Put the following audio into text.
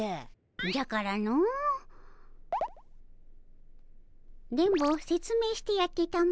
じゃからの電ボせつめいしてやってたも。